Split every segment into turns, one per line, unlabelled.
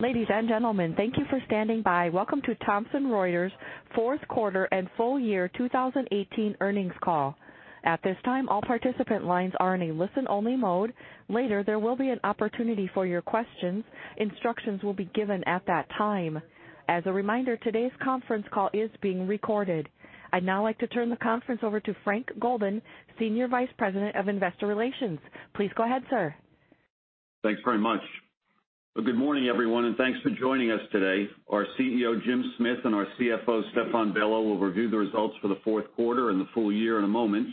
Ladies and gentlemen, thank you for standing by. Welcome to Thomson Reuters' fourth quarter and full year 2018 earnings call. At this time, all participant lines are in a listen-only mode. Later, there will be an opportunity for your questions. Instructions will be given at that time. As a reminder, today's conference call is being recorded. I'd now like to turn the conference over to Frank Golden, Senior Vice President of Investor Relations. Please go ahead, sir.
Thanks very much. Good morning, everyone, and thanks for joining us today. Our CEO, Jim Smith, and our CFO, Stephane Bello, will review the results for the fourth quarter and the full year in a moment,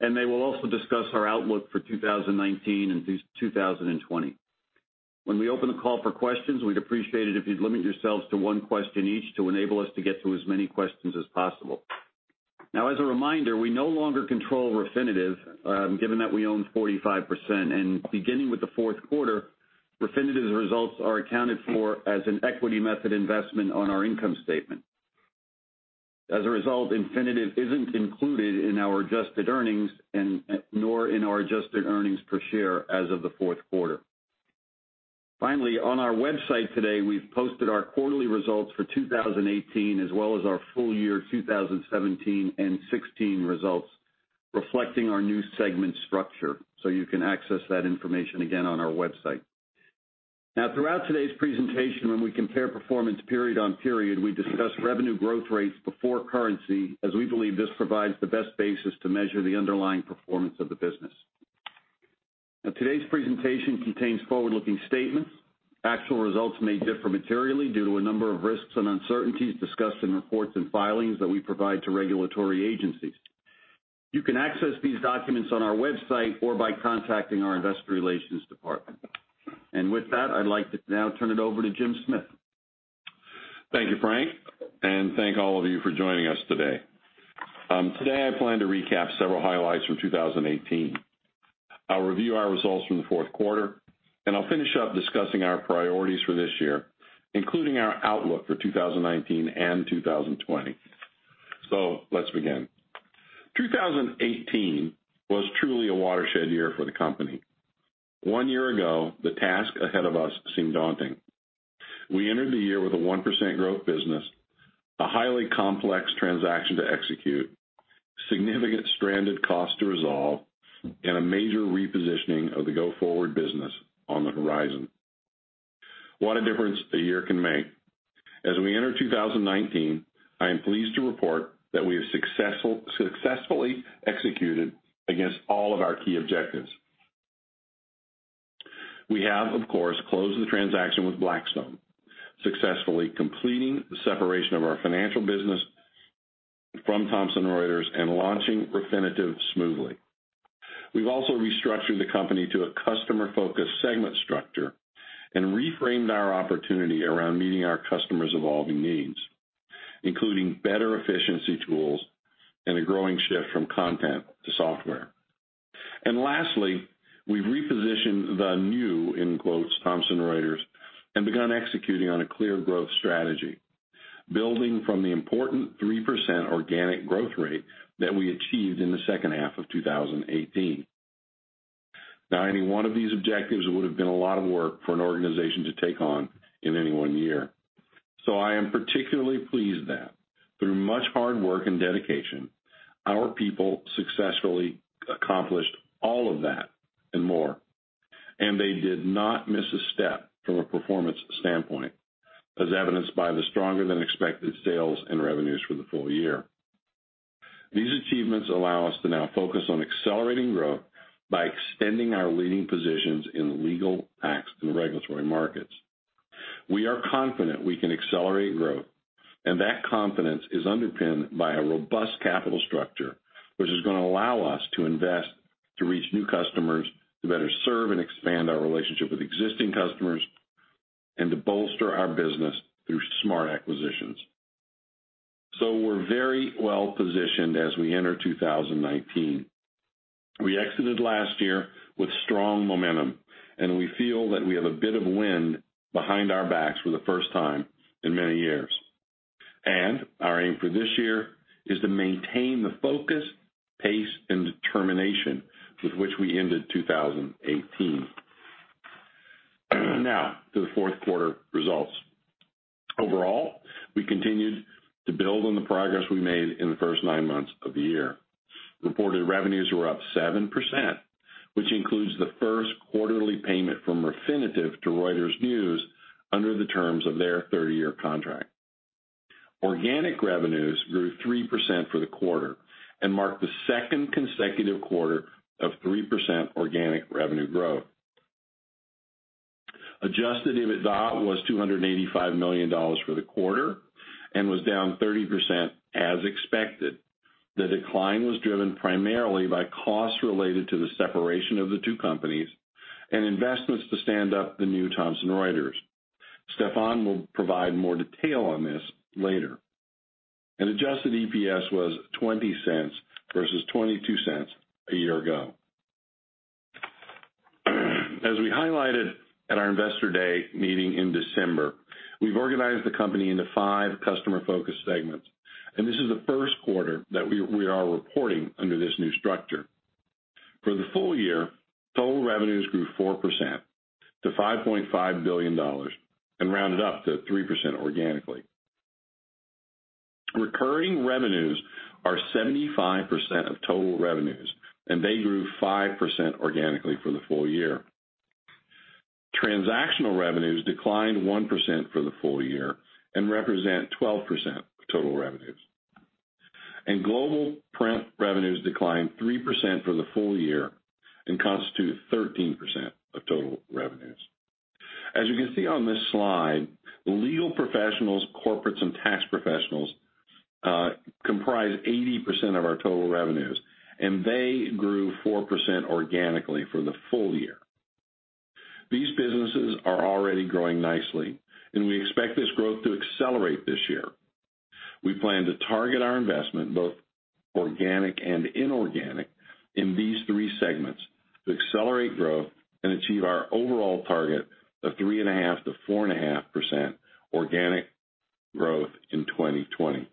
and they will also discuss our outlook for 2019 and 2020. When we open the call for questions, we'd appreciate it if you'd limit yourselves to one question each to enable us to get to as many questions as possible. Now, as a reminder, we no longer control Refinitiv, given that we own 45%, and beginning with the fourth quarter, Refinitiv's results are accounted for as an equity method investment on our income statement. As a result, Refinitiv isn't included in our adjusted earnings nor in our adjusted earnings per share as of the fourth quarter. Finally, on our website today, we've posted our quarterly results for 2018 as well as our full year 2017 and 2016 results, reflecting our new segment structure. So you can access that information again on our website. Now, throughout today's presentation, when we compare performance period on period, we discuss revenue growth rates before currency, as we believe this provides the best basis to measure the underlying performance of the business. Today's presentation contains forward-looking statements. Actual results may differ materially due to a number of risks and uncertainties discussed in reports and filings that we provide to regulatory agencies. You can access these documents on our website or by contacting our investor relations department. With that, I'd like to now turn it over to Jim Smith.
Thank you, Frank, and thank all of you for joining us today. Today, I plan to recap several highlights from 2018. I'll review our results from the fourth quarter, and I'll finish up discussing our priorities for this year, including our outlook for 2019 and 2020. So let's begin. 2018 was truly a watershed year for the company. One year ago, the task ahead of us seemed daunting. We entered the year with a 1% growth business, a highly complex transaction to execute, significant stranded costs to resolve, and a major repositioning of the go-forward business on the horizon. What a difference a year can make. As we enter 2019, I am pleased to report that we have successfully executed against all of our key objectives. We have, of course, closed the transaction with Blackstone, successfully completing the separation of our financial business from Thomson Reuters and launching Refinitiv smoothly. We've also restructured the company to a customer-focused segment structure and reframed our opportunity around meeting our customers' evolving needs, including better efficiency tools and a growing shift from content to software, and lastly, we've repositioned the new "Thomson Reuters" and begun executing on a clear growth strategy, building from the important 3% organic growth rate that we achieved in the second half of 2018. Now, any one of these objectives would have been a lot of work for an organization to take on in any one year, so I am particularly pleased that, through much hard work and dedication, our people successfully accomplished all of that and more, and they did not miss a step from a performance standpoint, as evidenced by the stronger-than-expected sales and revenues for the full year. These achievements allow us to now focus on accelerating growth by extending our leading positions in legal, tax, and regulatory markets. We are confident we can accelerate growth, and that confidence is underpinned by a robust capital structure, which is going to allow us to invest, to reach new customers, to better serve and expand our relationship with existing customers, and to bolster our business through smart acquisitions. So we're very well positioned as we enter 2019. We exited last year with strong momentum, and we feel that we have a bit of wind behind our backs for the first time in many years. And our aim for this year is to maintain the focus, pace, and determination with which we ended 2018. Now, to the fourth quarter results. Overall, we continued to build on the progress we made in the first nine months of the year. Reported revenues were up 7%, which includes the first quarterly payment from Refinitiv to Reuters News under the terms of their 30-year contract. Organic revenues grew 3% for the quarter and marked the second consecutive quarter of 3% organic revenue growth. Adjusted EBITDA was $285 million for the quarter and was down 30% as expected. The decline was driven primarily by costs related to the separation of the two companies and investments to stand up the new Thomson Reuters. Stephane will provide more detail on this later. Adjusted EPS was $0.20 versus $0.22 a year ago. As we highlighted at our investor day meeting in December, we've organized the company into five customer-focused segments, and this is the first quarter that we are reporting under this new structure. For the full year, total revenues grew 4% to $5.5 billion and rounded up to 3% organically. Recurring revenues are 75% of total revenues, and they grew 5% organically for the full year. Transactional revenues declined 1% for the full year and represent 12% of total revenues, and global print revenues declined 3% for the full year and constitute 13% of total revenues. As you can see on this slide, legal professionals, corporates, and tax professionals comprise 80% of our total revenues, and they grew 4% organically for the full year. These businesses are already growing nicely, and we expect this growth to accelerate this year. We plan to target our investment, both organic and inorganic, in these three segments to accelerate growth and achieve our overall target of 3.5%-4.5% organic growth in 2020.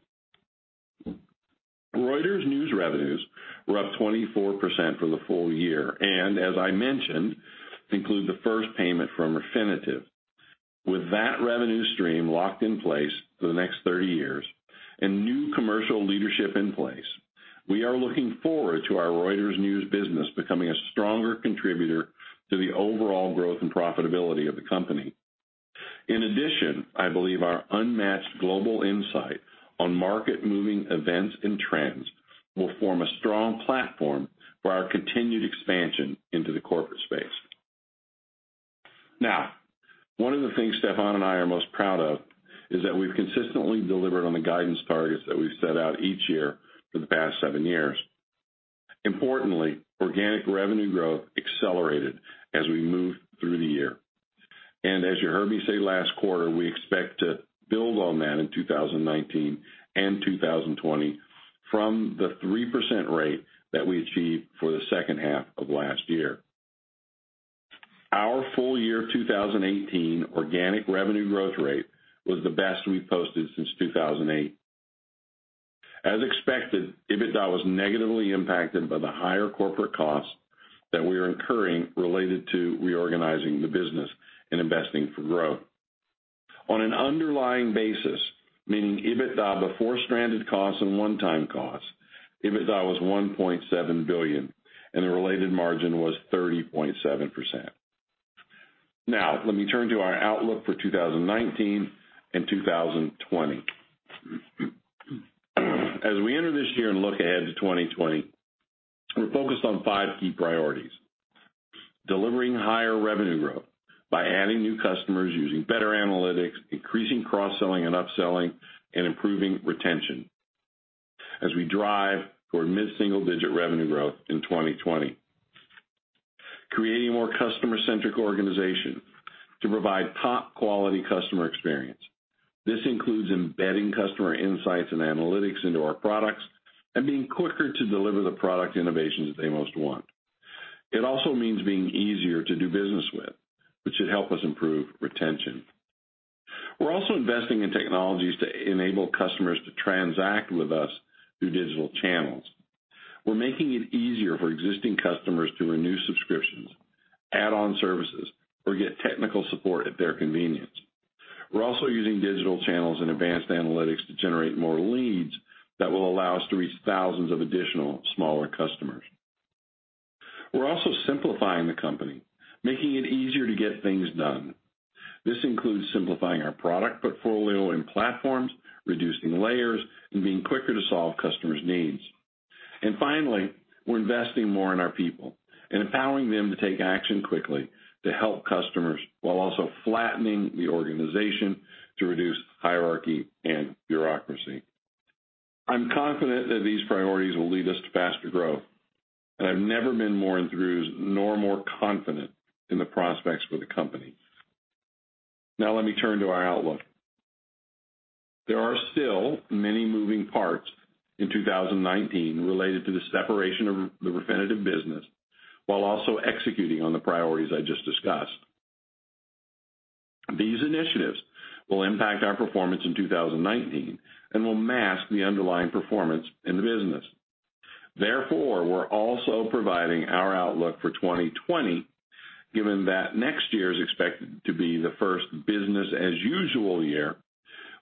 Reuters News revenues were up 24% for the full year and, as I mentioned, include the first payment from Refinitiv. With that revenue stream locked in place for the next 30 years and new commercial leadership in place, we are looking forward to our Reuters News business becoming a stronger contributor to the overall growth and profitability of the company. In addition, I believe our unmatched global insight on market-moving events and trends will form a strong platform for our continued expansion into the corporate space. Now, one of the things Stéphane and I are most proud of is that we've consistently delivered on the guidance targets that we've set out each year for the past seven years. Importantly, organic revenue growth accelerated as we moved through the year. As you heard me say last quarter, we expect to build on that in 2019 and 2020 from the 3% rate that we achieved for the second half of last year. Our full year 2018 organic revenue growth rate was the best we've posted since 2008. As expected, EBITDA was negatively impacted by the higher corporate costs that we are incurring related to reorganizing the business and investing for growth. On an underlying basis, meaning EBITDA before stranded costs and one-time costs, EBITDA was $1.7 billion, and the related margin was 30.7%. Now, let me turn to our outlook for 2019 and 2020. As we enter this year and look ahead to 2020, we're focused on five key priorities: delivering higher revenue growth by adding new customers, using better analytics, increasing cross-selling and upselling, and improving retention as we drive toward mid-single-digit revenue growth in 2020. Creating a more customer-centric organization to provide top-quality customer experience. This includes embedding customer insights and analytics into our products and being quicker to deliver the product innovations they most want. It also means being easier to do business with, which should help us improve retention. We're also investing in technologies to enable customers to transact with us through digital channels. We're making it easier for existing customers to renew subscriptions, add on services, or get technical support at their convenience. We're also using digital channels and advanced analytics to generate more leads that will allow us to reach thousands of additional smaller customers. We're also simplifying the company, making it easier to get things done. This includes simplifying our product portfolio and platforms, reducing layers, and being quicker to solve customers' needs, and finally, we're investing more in our people and empowering them to take action quickly to help customers while also flattening the organization to reduce hierarchy and bureaucracy. I'm confident that these priorities will lead us to faster growth, and I've never been more enthused nor more confident in the prospects for the company. Now, let me turn to our outlook. There are still many moving parts in 2019 related to the separation of the Refinitiv business while also executing on the priorities I just discussed. These initiatives will impact our performance in 2019 and will mask the underlying performance in the business. Therefore, we're also providing our outlook for 2020, given that next year is expected to be the first business-as-usual year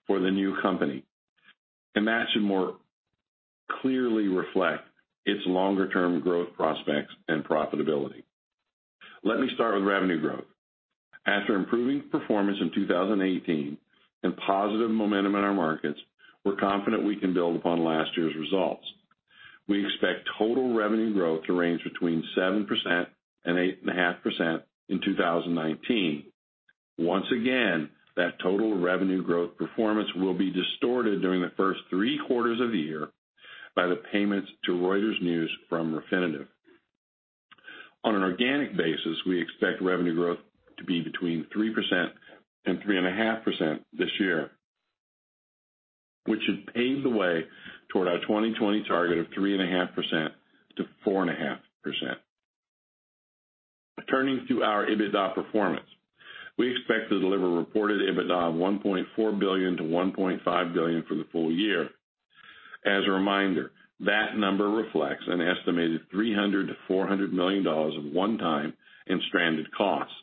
for the new company, and that should more clearly reflect its longer-term growth prospects and profitability. Let me start with revenue growth. After improving performance in 2018 and positive momentum in our markets, we're confident we can build upon last year's results. We expect total revenue growth to range between 7% and 8.5% in 2019. Once again, that total revenue growth performance will be distorted during the first three quarters of the year by the payments to Reuters News from Refinitiv. On an organic basis, we expect revenue growth to be between 3% and 3.5% this year, which should pave the way toward our 2020 target of 3.5%-4.5%. Turning to our EBITDA performance, we expect to deliver reported EBITDA of $1.4 billion-$1.5 billion for the full year. As a reminder, that number reflects an estimated $300-$400 million of one-time and stranded costs.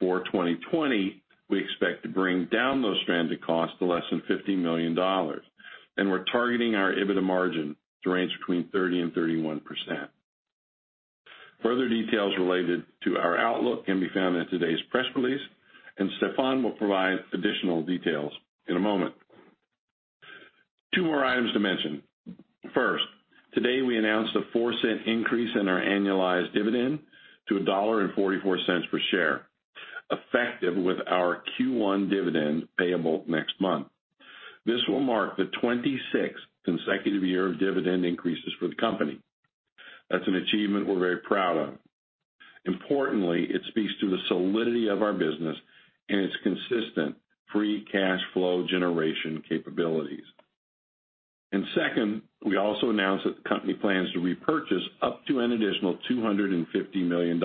For 2020, we expect to bring down those stranded costs to less than $50 million, and we're targeting our EBITDA margin to range between 30% and 31%. Further details related to our outlook can be found in today's press release, and Stephane will provide additional details in a moment. Two more items to mention. First, today we announced a $0.04 increase in our annualized dividend to $1.44 per share, effective with our Q1 dividend payable next month. This will mark the 26th consecutive year of dividend increases for the company. That's an achievement we're very proud of. Importantly, it speaks to the solidity of our business and its consistent free cash flow generation capabilities. And second, we also announced that the company plans to repurchase up to an additional $250 million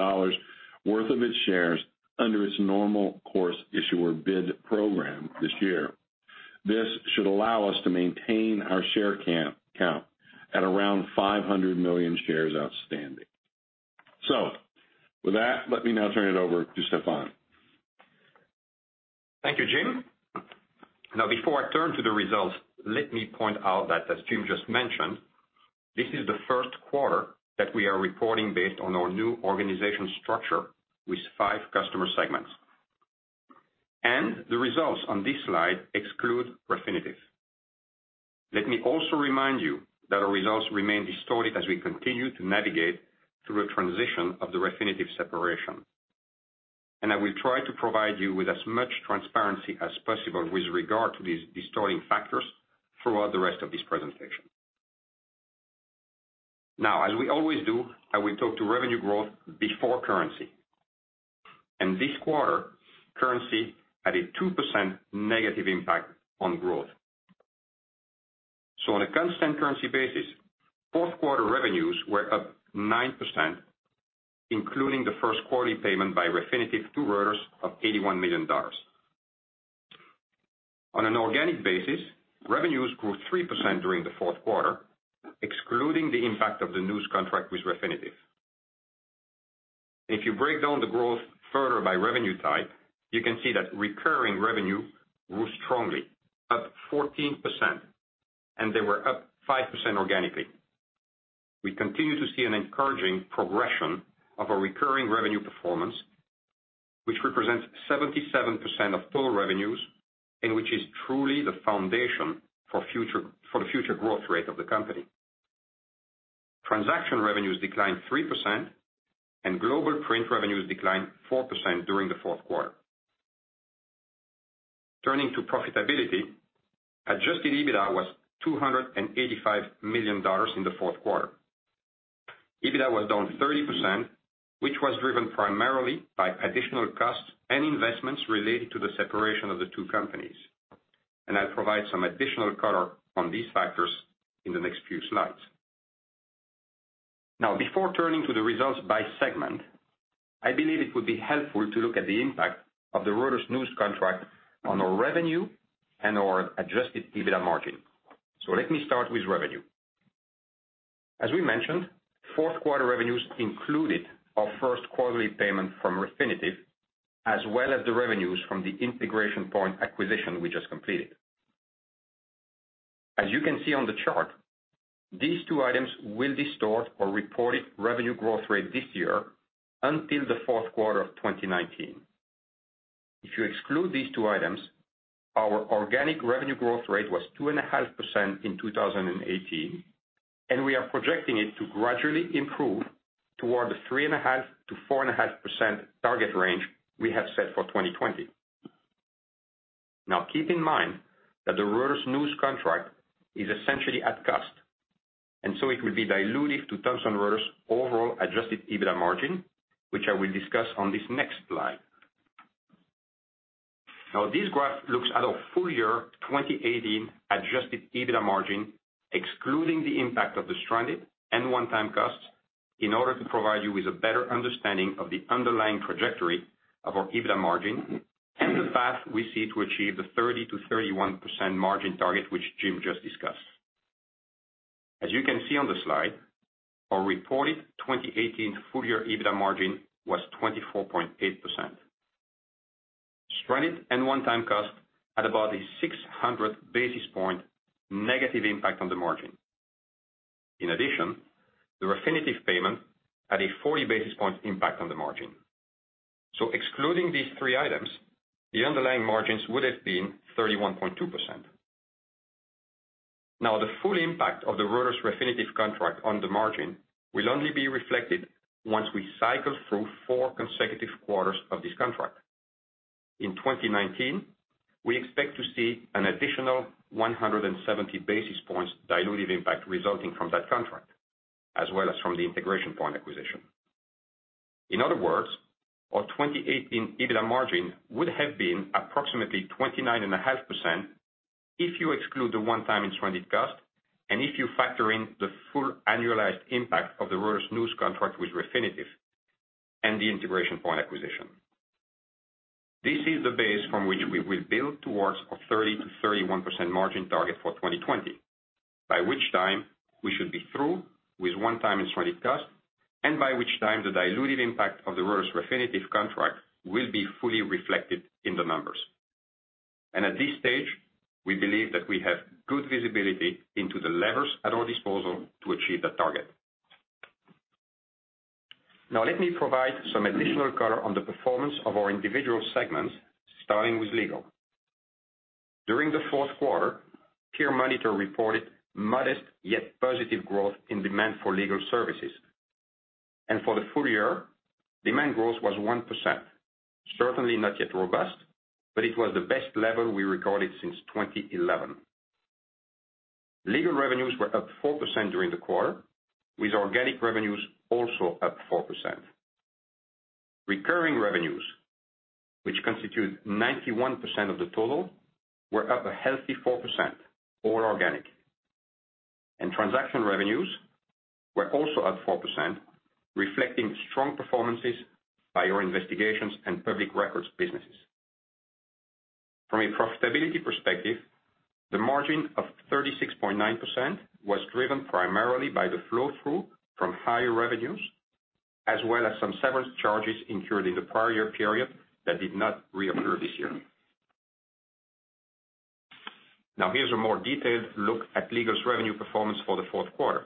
worth of its shares under its normal course issuer bid program this year. This should allow us to maintain our share count at around 500 million shares outstanding. So with that, let me now turn it over to Stephane.
Thank you, Jim. Now, before I turn to the results, let me point out that, as Jim just mentioned, this is the first quarter that we are reporting based on our new organizational structure with five customer segments, and the results on this slide exclude Refinitiv. Let me also remind you that our results remain distorted as we continue to navigate through a transition of the Refinitiv separation, and I will try to provide you with as much transparency as possible with regard to these distorting factors throughout the rest of this presentation. Now, as we always do, I will talk to revenue growth before currency. This quarter, currency had a 2% negative impact on growth. On a constant currency basis, fourth quarter revenues were up 9%, including the first quarterly payment by Refinitiv to Reuters of $81 million. On an organic basis, revenues grew 3% during the fourth quarter, excluding the impact of the news contract with Refinitiv. If you break down the growth further by revenue type, you can see that recurring revenue grew strongly, up 14%, and they were up 5% organically. We continue to see an encouraging progression of our recurring revenue performance, which represents 77% of total revenues and which is truly the foundation for the future growth rate of the company. Transaction revenues declined 3%, and global print revenues declined 4% during the fourth quarter. Turning to profitability, adjusted EBITDA was $285 million in the fourth quarter. EBITDA was down 30%, which was driven primarily by additional costs and investments related to the separation of the two companies, and I'll provide some additional color on these factors in the next few slides. Now, before turning to the results by segment, I believe it would be helpful to look at the impact of the Reuters News contract on our revenue and our Adjusted EBITDA margin. So let me start with revenue. As we mentioned, fourth quarter revenues included our first quarterly payment from Refinitiv, as well as the revenues from the Integration Point acquisition we just completed. As you can see on the chart, these two items will distort our reported revenue growth rate this year until the fourth quarter of 2019. If you exclude these two items, our organic revenue growth rate was 2.5% in 2018, and we are projecting it to gradually improve toward the 3.5%-4.5% target range we have set for 2020. Now, keep in mind that the Reuters News contract is essentially at cost, and so it will be dilutive to Thomson Reuters' overall Adjusted EBITDA margin, which I will discuss on this next slide. Now, this graph looks at our full year 2018 Adjusted EBITDA margin, excluding the impact of the stranded and one-time costs, in order to provide you with a better understanding of the underlying trajectory of our EBITDA margin and the path we see to achieve the 30%-31% margin target, which Jim just discussed. As you can see on the slide, our reported 2018 full year EBITDA margin was 24.8%. Stranded and one-time costs had about a 600 basis points negative impact on the margin. In addition, the Refinitiv payment had a 40 basis points impact on the margin, so excluding these three items, the underlying margins would have been 31.2%. Now, the full impact of the Reuters Refinitiv contract on the margin will only be reflected once we cycle through four consecutive quarters of this contract. In 2019, we expect to see an additional 170 basis points dilutive impact resulting from that contract, as well as from the Integration Point acquisition. In other words, our 2018 EBITDA margin would have been approximately 29.5% if you exclude the one-time and stranded cost, and if you factor in the full annualized impact of the Reuters News contract with Refinitiv and the Integration Point acquisition. This is the base from which we will build towards a 30%-31% margin target for 2020, by which time we should be through with one-time and stranded cost, and by which time the dilutive impact of the Reuters Refinitiv contract will be fully reflected in the numbers. At this stage, we believe that we have good visibility into the levers at our disposal to achieve that target. Now, let me provide some additional color on the performance of our individual segments, starting with Legal. During the fourth quarter, Peer Monitor reported modest yet positive growth in demand for legal services. For the full year, demand growth was 1%, certainly not yet robust, but it was the best level we recorded since 2011. Legal revenues were up 4% during the quarter, with organic revenues also up 4%. Recurring revenues, which constitute 91% of the total, were up a healthy 4%, all organic. Transaction revenues were also up 4%, reflecting strong performances by our investigations and public records businesses. From a profitability perspective, the margin of 36.9% was driven primarily by the flow-through from higher revenues, as well as some severance charges incurred in the prior year period that did not reoccur this year. Now, here's a more detailed look at Legal's revenue performance for the fourth quarter.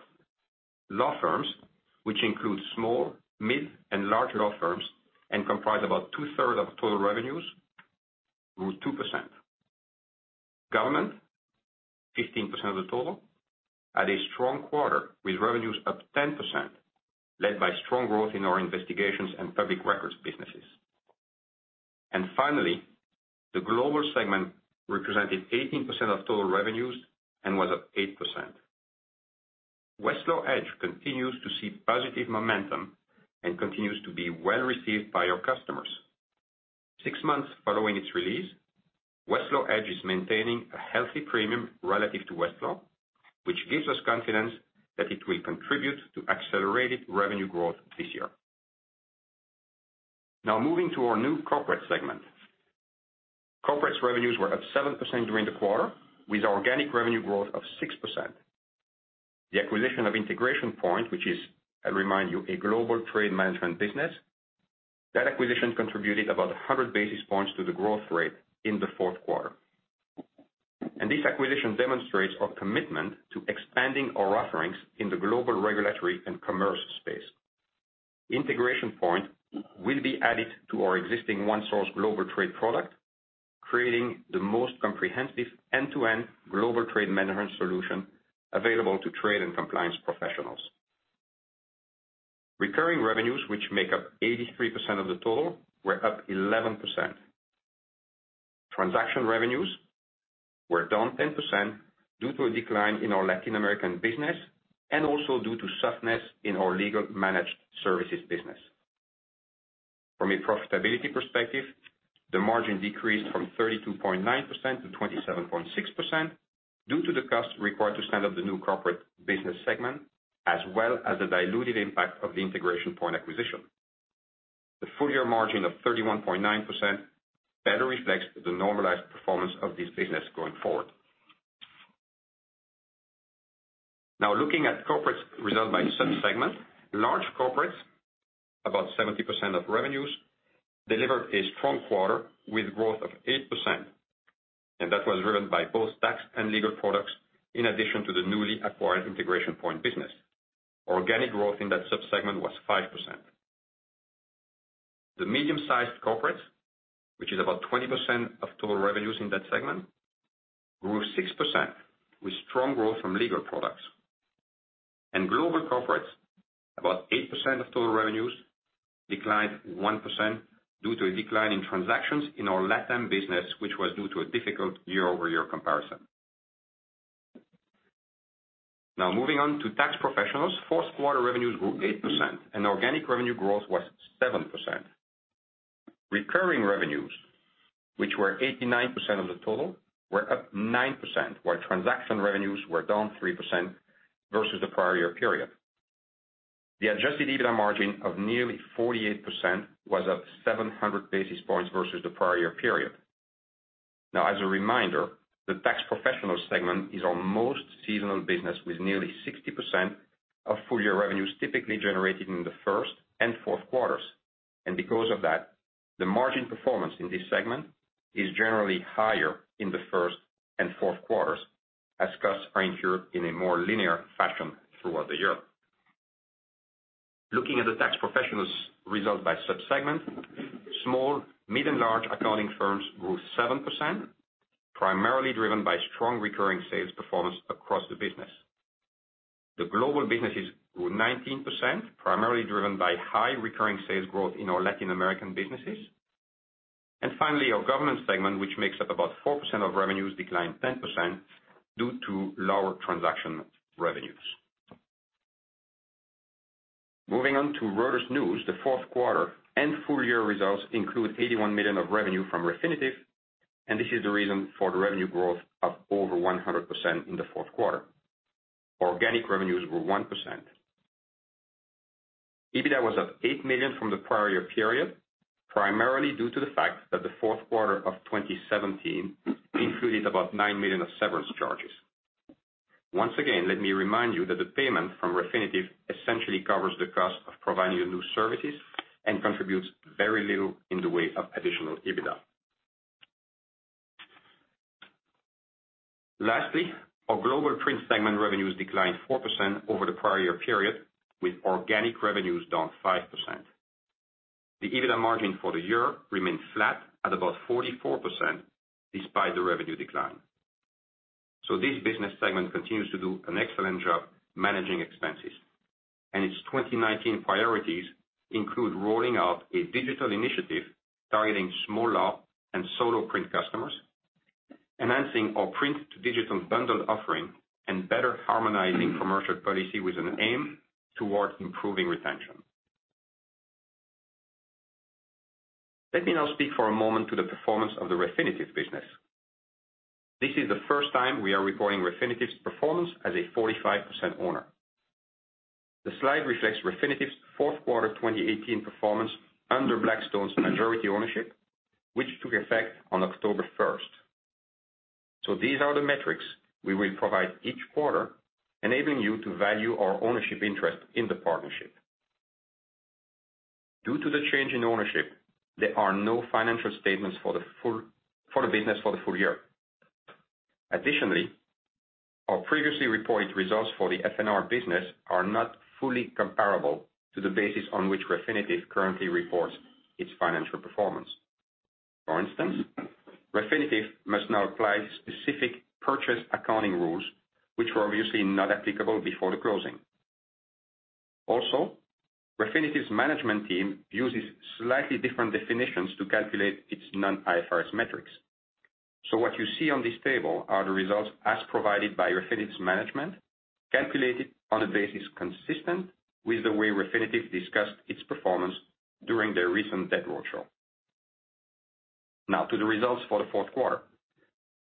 Law firms, which include small, mid, and large law firms and comprise about two-thirds of total revenues, grew 2%. Government, 15% of the total, had a strong quarter with revenues up 10%, led by strong growth in our investigations and public records businesses. Finally, the global segment represented 18% of total revenues and was up 8%. Westlaw Edge continues to see positive momentum and continues to be well received by our customers. Six months following its release, Westlaw Edge is maintaining a healthy premium relative to Westlaw, which gives us confidence that it will contribute to accelerated revenue growth this year. Now, moving to our new corporate segment. Corporate's revenues were up 7% during the quarter, with organic revenue growth of 6%. The acquisition of Integration Point, which is, I'll remind you, a global trade management business, that acquisition contributed about 100 basis points to the growth rate in the fourth quarter, and this acquisition demonstrates our commitment to expanding our offerings in the global regulatory and commerce space. Integration Point will be added to our existing ONESOURCE global trade product, creating the most comprehensive end-to-end global trade management solution available to trade and compliance professionals. Recurring revenues, which make up 83% of the total, were up 11%. Transaction revenues were down 10% due to a decline in our Latin American business and also due to softness in our legal managed services business. From a profitability perspective, the margin decreased from 32.9%-27.6% due to the costs required to stand up the new corporate business segment, as well as the dilutive impact of the Integration Point acquisition. The full year margin of 31.9% better reflects the normalized performance of this business going forward. Now, looking at corporate's result by subsegment, large corporates, about 70% of revenues, delivered a strong quarter with growth of 8%, and that was driven by both tax and legal products, in addition to the newly acquired Integration Point business. Organic growth in that subsegment was 5%. The medium-sized corporates, which is about 20% of total revenues in that segment, grew 6% with strong growth from legal products. And global corporates, about 8% of total revenues, declined 1% due to a decline in transactions in our LATAM business, which was due to a difficult year-over-year comparison. Now, moving on to tax professionals, fourth quarter revenues grew 8%, and organic revenue growth was 7%. Recurring revenues, which were 89% of the total, were up 9%, while transaction revenues were down 3% versus the prior year period. The Adjusted EBITDA margin of nearly 48% was up 700 basis points versus the prior year period. Now, as a reminder, the tax professional segment is our most seasonal business, with nearly 60% of full year revenues typically generated in the first and fourth quarters. And because of that, the margin performance in this segment is generally higher in the first and fourth quarters, as costs are incurred in a more linear fashion throughout the year. Looking at the tax professionals' result by subsegment, small, mid, and large accounting firms grew 7%, primarily driven by strong recurring sales performance across the business. The global businesses grew 19%, primarily driven by high recurring sales growth in our Latin American businesses. And finally, our government segment, which makes up about 4% of revenues, declined 10% due to lower transaction revenues. Moving on to Reuters News, the fourth quarter and full year results include $81 million of revenue from Refinitiv, and this is the reason for the revenue growth of over 100% in the fourth quarter. Organic revenues were 1%. EBITDA was up $8 million from the prior year period, primarily due to the fact that the fourth quarter of 2017 included about $9 million of severance charges. Once again, let me remind you that the payment from Refinitiv essentially covers the cost of providing the new services and contributes very little in the way of additional EBITDA. Lastly, our global print segment revenues declined 4% over the prior year period, with organic revenues down 5%. The EBITDA margin for the year remained flat at about 44% despite the revenue decline. So this business segment continues to do an excellent job managing expenses, and its 2019 priorities include rolling out a digital initiative targeting small law and solo print customers, enhancing our print-to-digital bundled offering, and better harmonizing commercial policy with an aim toward improving retention. Let me now speak for a moment to the performance of the Refinitiv business. This is the first time we are reporting Refinitiv's performance as a 45% owner. The slide reflects Refinitiv's fourth quarter 2018 performance under Blackstone's majority ownership, which took effect on October 1st. So these are the metrics we will provide each quarter, enabling you to value our ownership interest in the partnership. Due to the change in ownership, there are no financial statements for the business for the full year. Additionally, our previously reported results for the F&R business are not fully comparable to the basis on which Refinitiv currently reports its financial performance. For instance, Refinitiv must now apply specific purchase accounting rules, which were obviously not applicable before the closing. Also, Refinitiv's management team uses slightly different definitions to calculate its non-IFRS metrics. So what you see on this table are the results as provided by Refinitiv's management, calculated on a basis consistent with the way Refinitiv discussed its performance during their recent debt workshop. Now, to the results for the fourth quarter.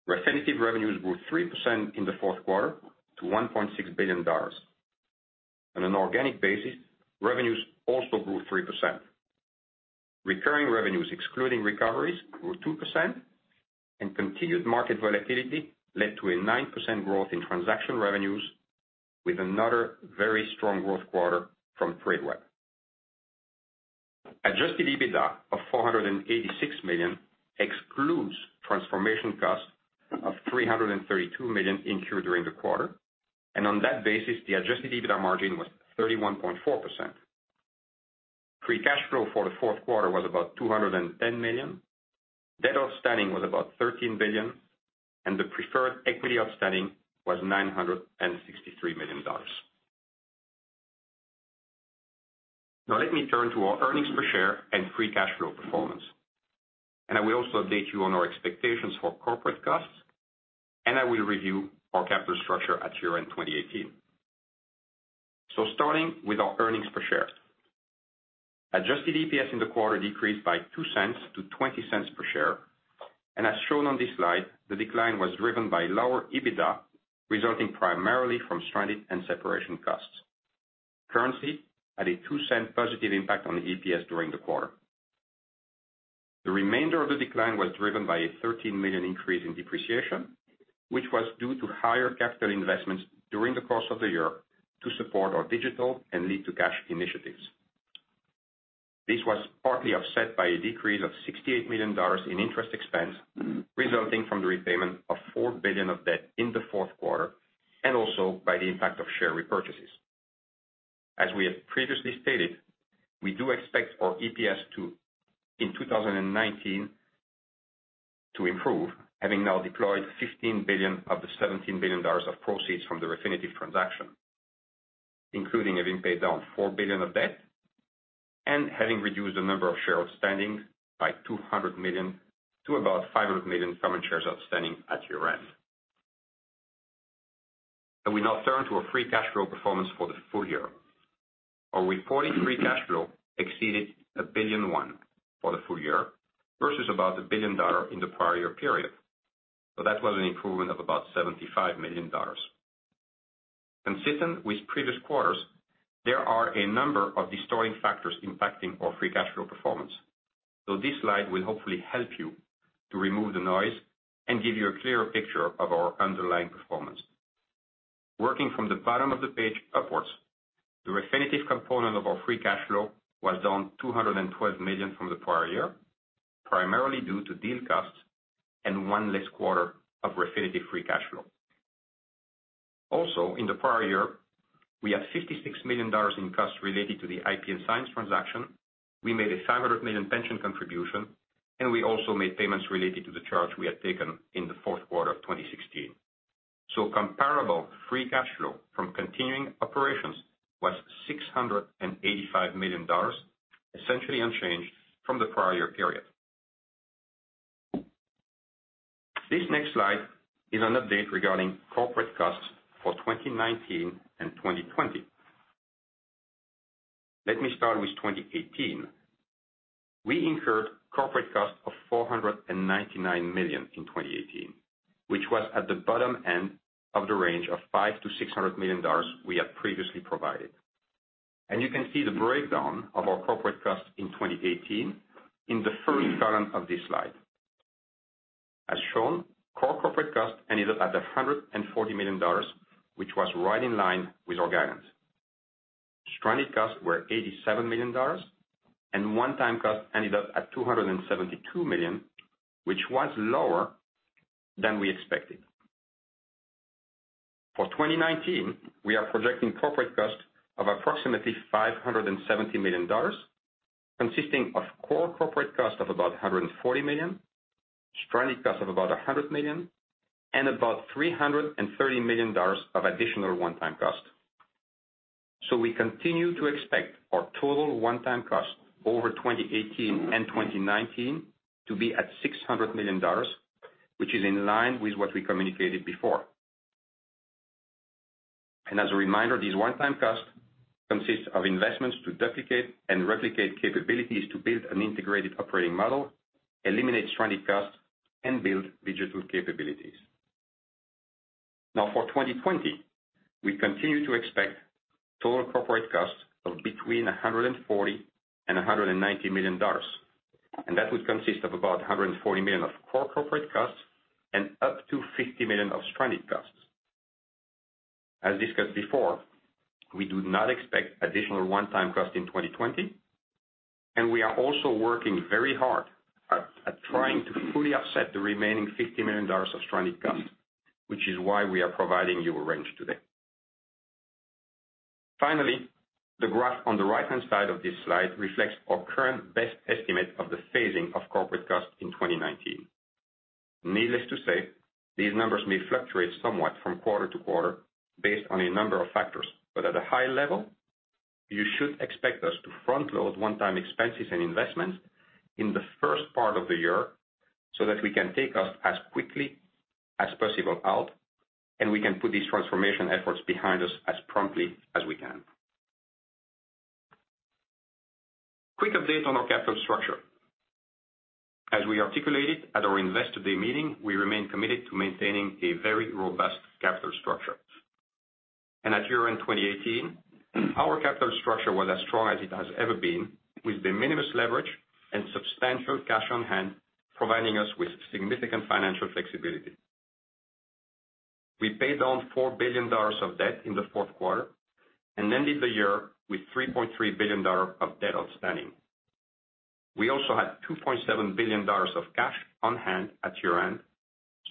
Refinitiv revenues grew 3% in the fourth quarter to $1.6 billion. On an organic basis, revenues also grew 3%. Recurring revenues, excluding recoveries, grew 2%, and continued market volatility led to a 9% growth in transaction revenues, with another very strong growth quarter from Tradeweb. Adjusted EBITDA of $486 million excludes transformation cost of $332 million incurred during the quarter, and on that basis, the adjusted EBITDA margin was 31.4%. Free cash flow for the fourth quarter was about $210 million. Debt outstanding was about $13 billion, and the preferred equity outstanding was $963 million. Now, let me turn to our earnings per share and free cash flow performance, and I will also update you on our expectations for corporate costs, and I will review our capital structure at year-end 2018, so starting with our earnings per share. Adjusted EPS in the quarter decreased by $0.02-$0.20 per share, and as shown on this slide, the decline was driven by lower EBITDA resulting primarily from stranded and separation costs. Currency had a $0.02 positive impact on the EPS during the quarter. The remainder of the decline was driven by a $13 million increase in depreciation, which was due to higher capital investments during the course of the year to support our digital and lead-to-cash initiatives. This was partly offset by a decrease of $68 million in interest expense resulting from the repayment of $4 billion of debt in the fourth quarter, and also by the impact of share repurchases. As we have previously stated, we do expect our EPS in 2019 to improve, having now deployed $15 billion of the $17 billion of proceeds from the Refinitiv transaction, including having paid down $4 billion of debt and having reduced the number of share outstanding by $200 million to about $500 million common shares outstanding at year-end. I will now turn to our free cash flow performance for the full year. Our reported free cash flow exceeded $1 billion for the full year, versus about $1 billion in the prior year period. So that was an improvement of about $75 million. Consistent with previous quarters, there are a number of distorting factors impacting our free cash flow performance. So this slide will hopefully help you to remove the noise and give you a clearer picture of our underlying performance. Working from the bottom of the page upwards, the Refinitiv component of our free cash flow was down $212 million from the prior year, primarily due to deal costs and one less quarter of Refinitiv free cash flow. Also, in the prior year, we had $56 million in costs related to the IP & science transaction. We made a $500 million pension contribution, and we also made payments related to the charge we had taken in the fourth quarter of 2016. So comparable free cash flow from continuing operations was $685 million, essentially unchanged from the prior year period. This next slide is an update regarding corporate costs for 2019 and 2020. Let me start with 2018. We incurred corporate costs of $499 million in 2018, which was at the bottom end of the range of $500-$600 million we had previously provided. You can see the breakdown of our corporate costs in 2018 in the first column of this slide. As shown, core corporate costs ended up at $140 million, which was right in line with our guidance. Stranded costs were $87 million, and one-time costs ended up at $272 million, which was lower than we expected. For 2019, we are projecting corporate costs of approximately $570 million, consisting of core corporate costs of about $140 million, stranded costs of about $100 million, and about $330 million of additional one-time costs. We continue to expect our total one-time costs over 2018 and 2019 to be at $600 million, which is in line with what we communicated before. As a reminder, these one-time costs consist of investments to duplicate and replicate capabilities to build an integrated operating model, eliminate stranded costs, and build digital capabilities. Now, for 2020, we continue to expect total corporate costs of between $140 and $190 million. And that would consist of about $140 million of core corporate costs and up to $50 million of stranded costs. As discussed before, we do not expect additional one-time costs in 2020, and we are also working very hard at trying to fully offset the remaining $50 million of stranded costs, which is why we are providing you a range today. Finally, the graph on the right-hand side of this slide reflects our current best estimate of the phasing of corporate costs in 2019. Needless to say, these numbers may fluctuate somewhat from quarter to quarter based on a number of factors, but at a high level, you should expect us to front-load one-time expenses and investments in the first part of the year so that we can take costs as quickly as possible out, and we can put these transformation efforts behind us as promptly as we can. Quick update on our capital structure. As we articulated at our Investor Day meeting, we remain committed to maintaining a very robust capital structure. And at year-end 2018, our capital structure was as strong as it has ever been, with the minimum leverage and substantial cash on hand providing us with significant financial flexibility. We paid down $4 billion of debt in the fourth quarter and ended the year with $3.3 billion of debt outstanding. We also had $2.7 billion of cash on hand at year-end,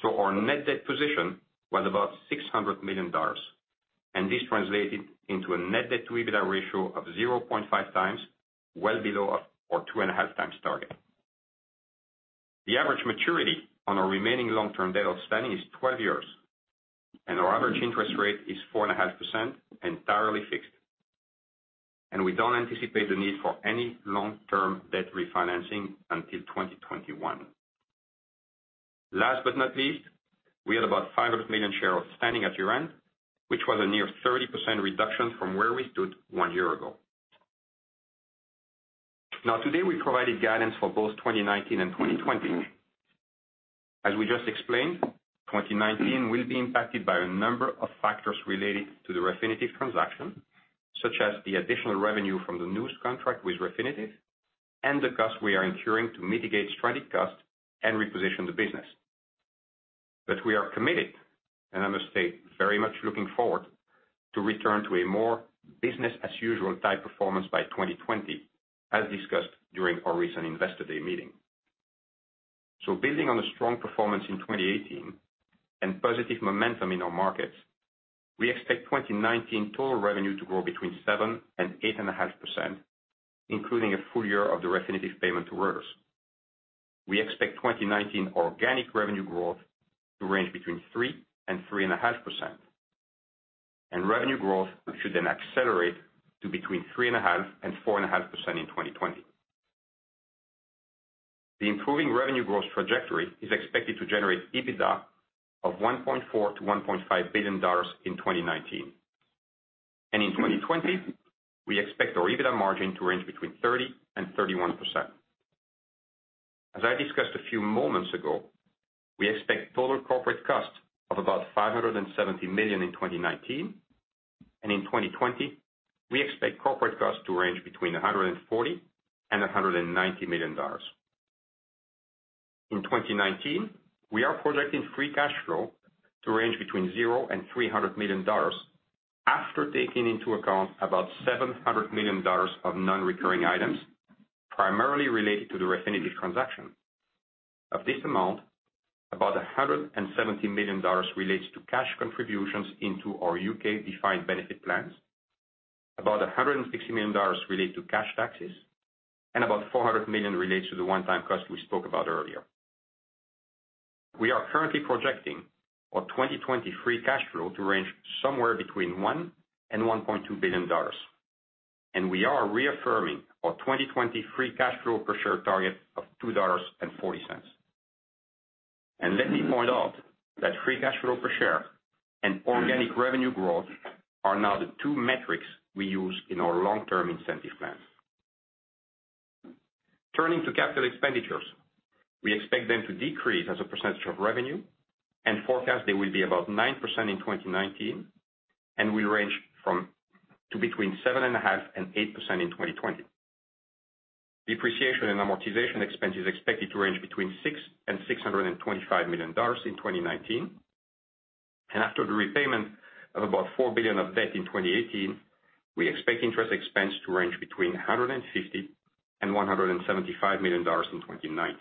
so our net debt position was about $600 million, and this translated into a net debt-to-EBITDA ratio of 0.5 times, well below our two-and-a-half times target. The average maturity on our remaining long-term debt outstanding is 12 years, and our average interest rate is 4.5%, entirely fixed. And we don't anticipate the need for any long-term debt refinancing until 2021. Last but not least, we had about $500 million shares outstanding at year-end, which was a near 30% reduction from where we stood one year ago. Now, today we provided guidance for both 2019 and 2020. As we just explained, 2019 will be impacted by a number of factors related to the Refinitiv transaction, such as the additional revenue from the new contract with Refinitiv and the costs we are incurring to mitigate stranded costs and reposition the business. But we are committed, and I must say, very much looking forward to return to a more business-as-usual type performance by 2020, as discussed during our recent Investor Day meeting. So building on a strong performance in 2018 and positive momentum in our markets, we expect 2019 total revenue to grow between 7% and 8.5%, including a full year of the Refinitiv payment to Reuters. We expect 2019 organic revenue growth to range between 3% and 3.5%, and revenue growth should then accelerate to between 3.5% and 4.5% in 2020. The improving revenue growth trajectory is expected to generate EBITDA of $1.4-$1.5 billion in 2019. And in 2020, we expect our EBITDA margin to range between 30% and 31%. As I discussed a few moments ago, we expect total corporate costs of about $570 million in 2019, and in 2020, we expect corporate costs to range between $140 and $190 million. In 2019, we are projecting free cash flow to range between $0 and $300 million after taking into account about $700 million of non-recurring items primarily related to the Refinitiv transaction. Of this amount, about $170 million relates to cash contributions into our U.K.-defined benefit plans, about $160 million relates to cash taxes, and about $400 million relates to the one-time costs we spoke about earlier. We are currently projecting our 2020 free cash flow to range somewhere between $1 and $1.2 billion, and we are reaffirming our 2020 free cash flow per share target of $2.40. And let me point out that free cash flow per share and organic revenue growth are now the two metrics we use in our long-term incentive plans. Turning to capital expenditures, we expect them to decrease as a percentage of revenue, and forecast they will be about 9% in 2019 and will range between 7.5%-8% in 2020. Depreciation and amortization expense is expected to range between $600-$625 million in 2019, and after the repayment of about $4 billion of debt in 2018, we expect interest expense to range between $150-$175 million in 2019.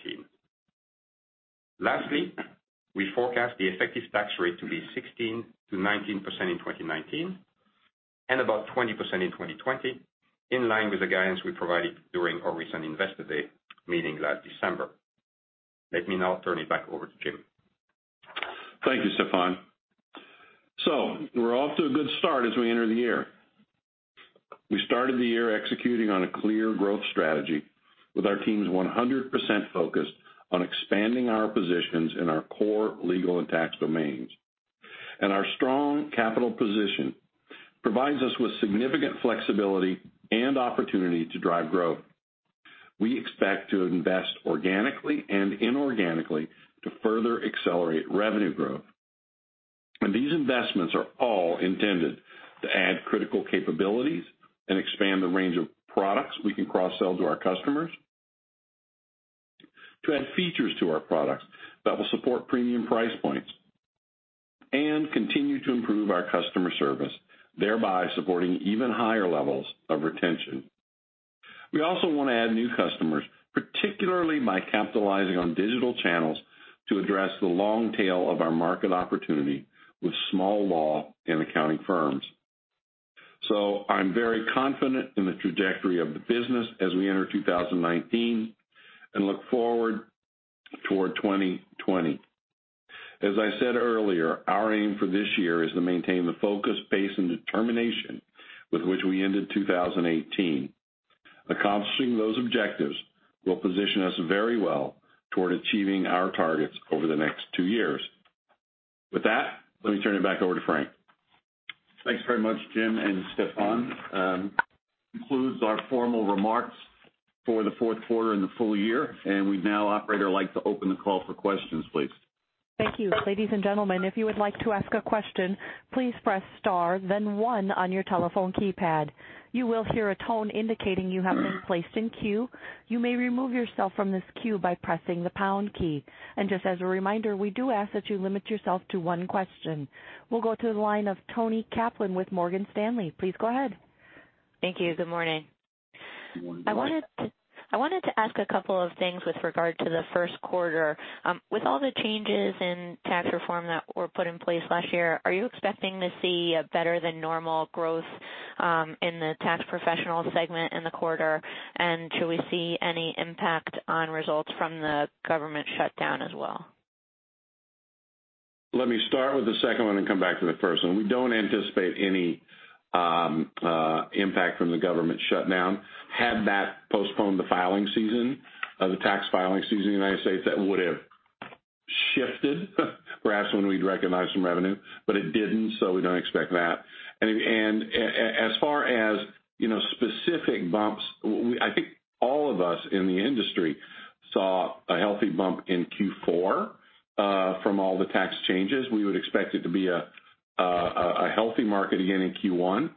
Lastly, we forecast the effective tax rate to be 16%-19% in 2019 and about 20% in 2020, in line with the guidance we provided during our recent Investor Day meeting last December. Let me now turn it back over to Jim. Thank you, Stéphane. So we're off to a good start as we enter the year. We started the year executing on a clear growth strategy with our teams 100% focused on expanding our positions in our core legal and tax domains. And our strong capital position provides us with significant flexibility and opportunity to drive growth. We expect to invest organically and inorganically to further accelerate revenue growth. And these investments are all intended to add critical capabilities and expand the range of products we can cross-sell to our customers, to add features to our products that will support premium price points, and continue to improve our customer service, thereby supporting even higher levels of retention. We also want to add new customers, particularly by capitalizing on digital channels to address the long tail of our market opportunity with small law and accounting firms. So I'm very confident in the trajectory of the business as we enter 2019 and look forward toward 2020. As I said earlier, our aim for this year is to maintain the focus, pace, and determination with which we ended 2018. Accomplishing those objectives will position us very well toward achieving our targets over the next two years. With that, let me turn it back over to Frank.
Thanks very much, Jim and Stephane. Concludes our formal remarks for the fourth quarter and the full year, and we'd now, operator, like to open the call for questions, please.
Thank you. Ladies and gentlemen, if you would like to ask a question, please press star, then one on your telephone keypad. You will hear a tone indicating you have been placed in queue. You may remove yourself from this queue by pressing the pound key. And just as a reminder, we do ask that you limit yourself to one question. We'll go to the line of Toni Kaplan with Morgan Stanley. Please go ahead.
Thank you. Good morning. Good morning. I wanted to ask a couple of things with regard to the first quarter. With all the changes in tax reform that were put in place last year, are you expecting to see a better-than-normal growth in the tax professional segment in the quarter, and should we see any impact on results from the government shutdown as well?
Let me start with the second one and come back to the first one. We don't anticipate any impact from the government shutdown. Had that postponed the tax filing season in the United States, that would have shifted, perhaps when we'd recognize some revenue, but it didn't, so we don't expect that. And as far as specific bumps, I think all of us in the industry saw a healthy bump in Q4 from all the tax changes. We would expect it to be a healthy market again in Q1,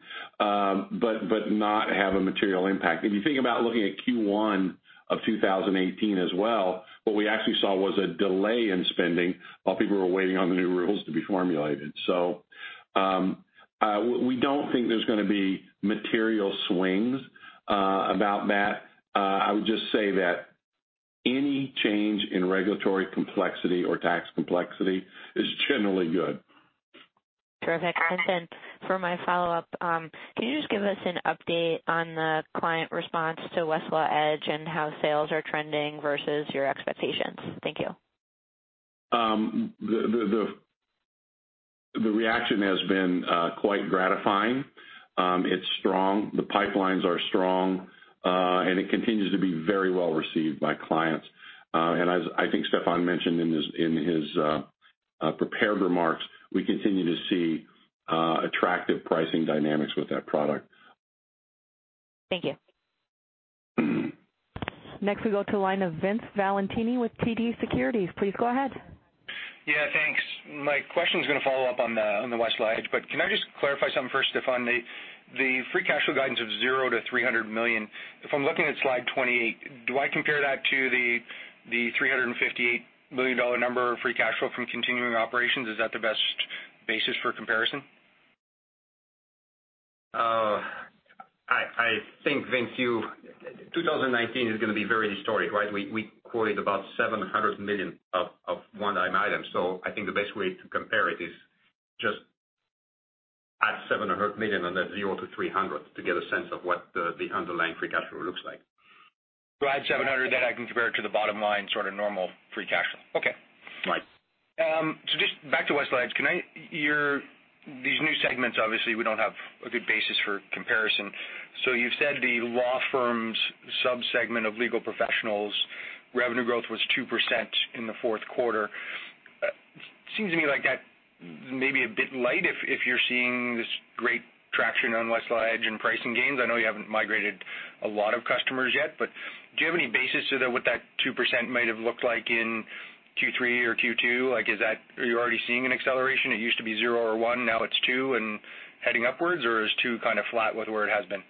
but not have a material impact. If you think about looking at Q1 of 2018 as well, what we actually saw was a delay in spending while people were waiting on the new rules to be formulated. So we don't think there's going to be material swings about that. I would just say that any change in regulatory complexity or tax complexity is generally good.
Terrific. And then for my follow-up, can you just give us an update on the client response to Westlaw Edge and how sales are trending versus your expectations? Thank you.
The reaction has been quite gratifying. It's strong. The pipelines are strong, and it continues to be very well received by clients. As I think Stefan mentioned in his prepared remarks, we continue to see attractive pricing dynamics with that product.
Thank you. Next, we go to the line of Vince Valentini with TD Securities. Please go ahead.
Yeah, thanks. My question's going to follow up on the Westlaw Edge, but can I just clarify something first, Stefan? The free cash flow guidance of $0-$300 million, if I'm looking at slide 28, do I compare that to the $358 million number of free cash flow from continuing operations? Is that the best basis for comparison?
I think, Vince, 2019 is going to be very historic, right? We quoted about $700 million of one-time items. So I think the best way to compare it is just add $700 million on that $0-$300 to get a sense of what the underlying free cash flow looks like. So add $700, then I can compare it to the bottom line, sort of normal free cash flow. Okay. Right. So just back to Westlaw Edge. These new segments, obviously, we don't have a good basis for comparison. So you've said the law firm's subsegment of legal professionals' revenue growth was 2% in the fourth quarter. It seems to me like that may be a bit light if you're seeing this great traction on Westlaw Edge and pricing gains. I know you haven't migrated a lot of customers yet, but do you have any basis with that 2% might have looked like in Q3 or Q2? Are you already seeing an acceleration? It used to be $0 or $1, now it's $2 and heading upwards, or is $2 kind of flat with where it has been?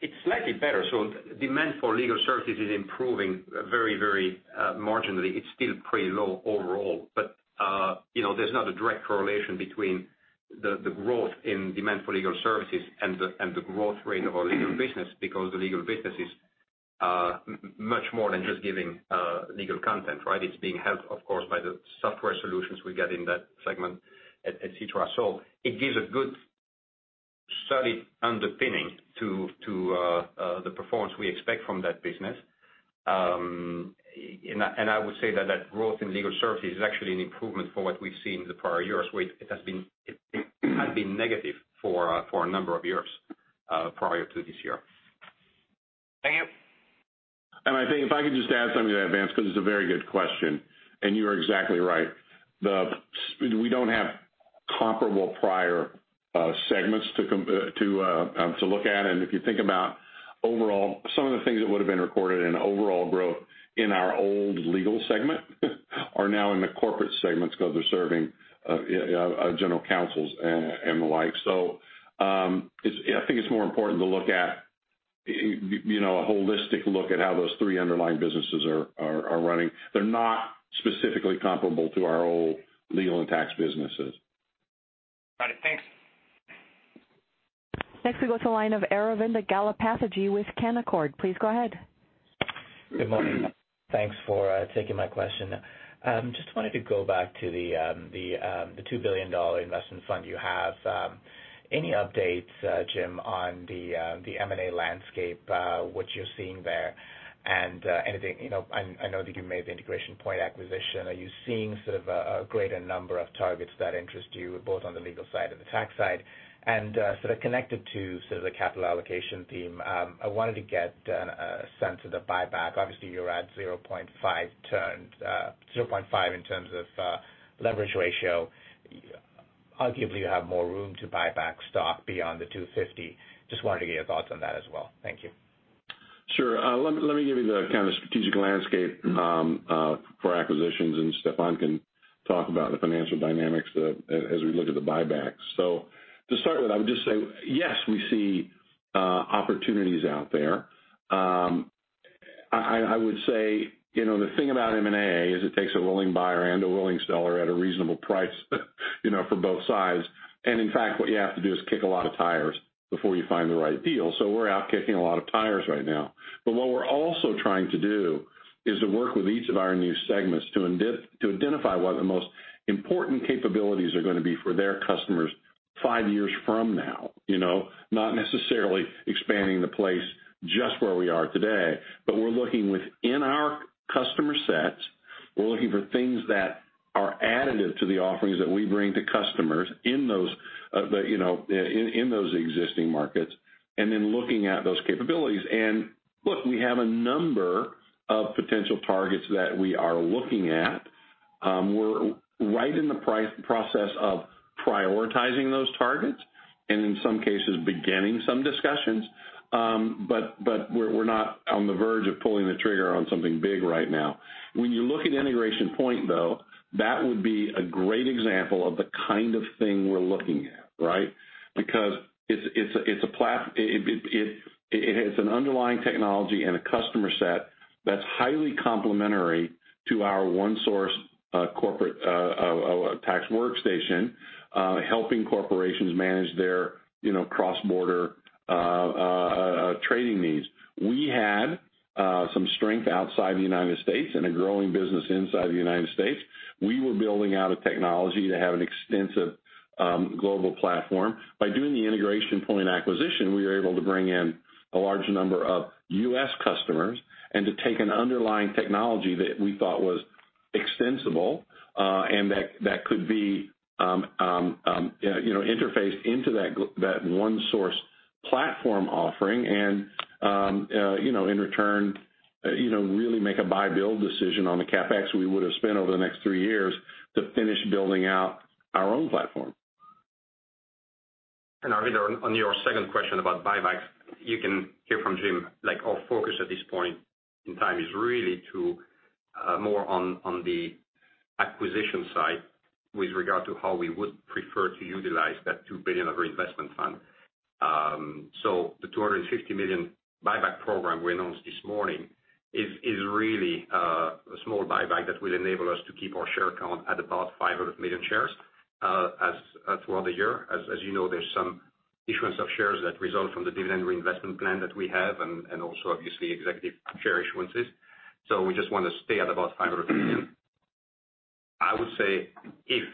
It's slightly better. So demand for legal services is improving very, very marginally. It's still pretty low overall, but there's not a direct correlation between the growth in demand for legal services and the growth rate of our legal business because the legal business is much more than just giving legal content, right? It's being helped, of course, by the software solutions we get in that segment, etc. So it gives a good solid underpinning to the performance we expect from that business. And I would say that that growth in legal services is actually an improvement for what we've seen in the prior years, where it has been negative for a number of years prior to this year. Thank you.
And I think if I could just add something to that, Vince, because it's a very good question, and you are exactly right. We don't have comparable prior segments to look at. And if you think about overall, some of the things that would have been recorded in overall growth in our old legal segment are now in the corporate segments because they're serving general counsels and the like. So I think it's more important to look at a holistic look at how those three underlying businesses are running. They're not specifically comparable to our old legal and tax businesses. Got it. Thanks. Next, we go to the line of Aravinda Galappatthige with Canaccord. Please go ahead. Good morning. Thanks for taking my question. Just wanted to go back to the $2 billion investment fund you have. Any updates, Jim, on the M&A landscape, what you're seeing there, and anything?
I know that you made the Integration Point acquisition. Are you seeing sort of a greater number of targets that interest you, both on the legal side and the tax side? And sort of connected to sort of the capital allocation theme, I wanted to get a sense of the buyback. Obviously, you're at 0.5 in terms of leverage ratio. Arguably, you have more room to buy back stock beyond the $250. Just wanted to get your thoughts on that as well. Thank you.
Sure. Let me give you the kind of strategic landscape for acquisitions, and Stephane can talk about the financial dynamics as we look at the buyback. So to start with, I would just say, yes, we see opportunities out there. I would say the thing about M&A is it takes a willing buyer and a willing seller at a reasonable price for both sides. And in fact, what you have to do is kick a lot of tires before you find the right deal. So we're out kicking a lot of tires right now. But what we're also trying to do is to work with each of our new segments to identify what the most important capabilities are going to be for their customers five years from now. Not necessarily expanding the place just where we are today, but we're looking within our customer sets. We're looking for things that are additive to the offerings that we bring to customers in those existing markets, and then looking at those capabilities. And look, we have a number of potential targets that we are looking at. We're right in the process of prioritizing those targets and, in some cases, beginning some discussions, but we're not on the verge of pulling the trigger on something big right now. When you look at Integration Point, though, that would be a great example of the kind of thing we're looking at, right? Because it's an underlying technology and a customer set that's highly complementary to our ONESOURCE corporate tax workstation, helping corporations manage their cross-border trading needs. We had some strength outside the United States and a growing business inside the United States. We were building out a technology to have an extensive global platform. By doing the Integration Point acquisition, we were able to bring in a large number of U.S. customers and to take an underlying technology that we thought was extensible and that could be interfaced into that ONESOURCE platform offering, and in return, really make a buy-build decision on the CapEx we would have spent over the next three years to finish building out our own platform. And Aravinda, on your second question about buybacks, you can hear from Jim. Our focus at this point in time is really more on the acquisition side with regard to how we would prefer to utilize that $2 billion of reinvestment fund. So the $250 million buyback program we announced this morning is really a small buyback that will enable us to keep our share count at about 500 million shares throughout the year. As you know, there's some issuance of shares that result from the dividend reinvestment plan that we have and also, obviously, executive share issuances. So we just want to stay at about $500 million. I would say if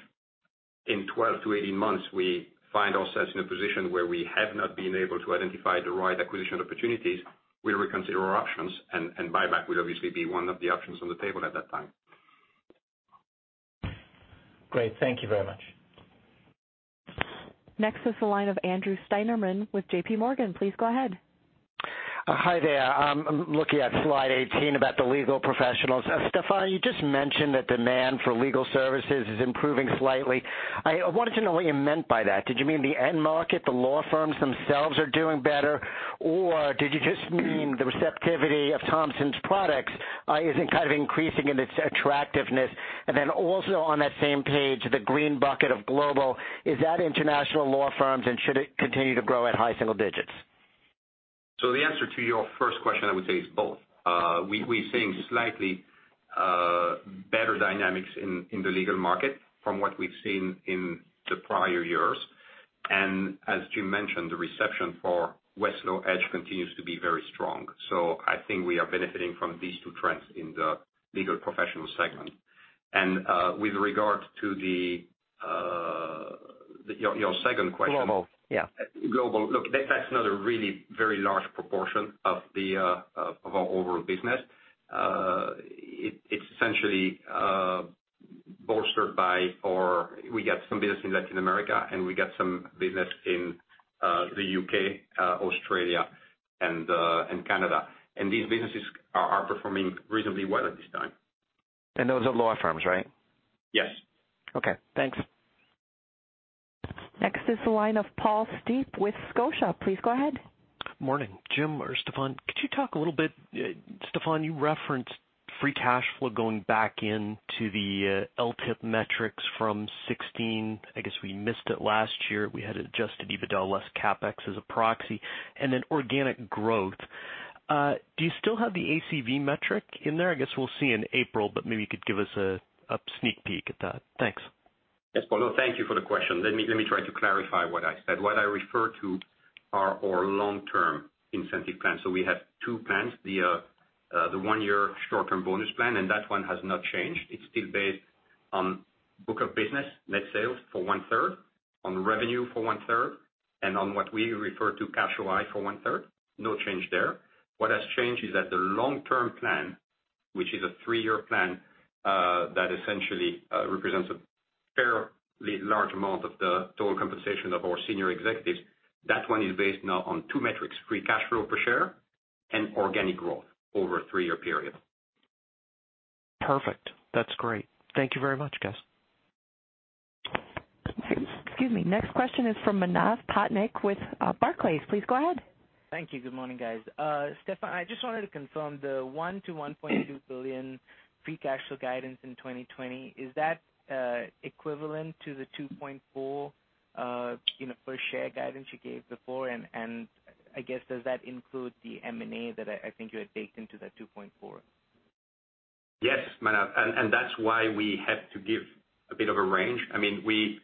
in 12-18 months we find ourselves in a position where we have not been able to identify the right acquisition opportunities, we'll reconsider our options, and buyback will obviously be one of the options on the table at that time.
Great. Thank you very much.
Next, it's the line of Andrew Steinerman with JPMorgan. Please go ahead.
Hi there. I'm looking at slide 18 about the legal professionals. Stephane, you just mentioned that demand for legal services is improving slightly. I wanted to know what you meant by that. Did you mean the end market, the law firms themselves are doing better, or did you just mean the receptivity of Thomson's products is kind of increasing in its attractiveness? And then also on that same page, the green bucket of global, is that international law firms, and should it continue to grow at high single digits?
So the answer to your first question, I would say, is both. We're seeing slightly better dynamics in the legal market from what we've seen in the prior years. And as Jim mentioned, the reception for Westlaw Edge continues to be very strong. So I think we are benefiting from these two trends in the legal professional segment. And with regard to your second question. Global. Yeah. Global. Look, that's not a really very large proportion of our overall business. It's essentially bolstered by our, we got some business in Latin America, and we got some business in the U.K., Australia, and Canada. And these businesses are performing reasonably well at this time.
And those are law firms, right?
Yes.
Okay. Thanks.
Next is the line of Paul Steep with Scotia. Please go ahead.
Morning. Jim or Stéphane, could you talk a little bit? Stéphane, you referenced free cash flow going back into the LTIP metrics from 2016. I guess we missed it last year. We had adjusted EBITDA to less CapEx as a proxy. And then organic growth. Do you still have the ACV metric in there? I guess we'll see in April, but maybe you could give us a sneak peek at that. Thanks.
Yes, Paul. No, thank you for the question. Let me try to clarify what I said. What I refer to are our long-term incentive plans. So we have two plans: the one-year short-term bonus plan, and that one has not changed. It's still based on book of business, net sales for one-third, on revenue for one-third, and on what we refer to cash flow for one-third. No change there. What has changed is that the long-term plan, which is a three-year plan that essentially represents a fairly large amount of the total compensation of our senior executives, that one is based now on two metrics: free cash flow per share and organic growth over a three-year period. Perfect. That's great. Thank you very much, guys.
Excuse me. Next question is from Manav Patnaik with Barclays. Please go ahead.
Thank you. Good morning, guys. Stephane, I just wanted to confirm the $1-$1.2 billion free cash flow guidance in 2020. Is that equivalent to the $2.4 per share guidance you gave before? And I guess, does that include the M&A that I think you had baked into that $2.4?
Yes, Manav. And that's why we had to give a bit of a range. I mean, we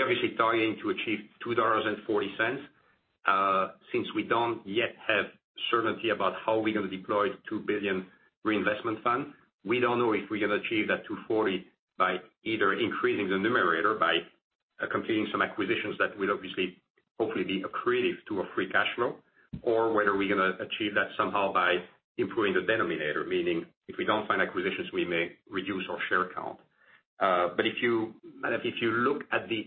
obviously targeting to achieve $2.40 since we don't yet have certainty about how we're going to deploy the $2 billion reinvestment fund. We don't know if we're going to achieve that $2.40 by either increasing the numerator by completing some acquisitions that will obviously hopefully be accretive to our free cash flow, or whether we're going to achieve that somehow by improving the denominator, meaning if we don't find acquisitions, we may reduce our share count. But if you look at the